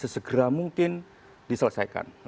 segera mungkin diselesaikan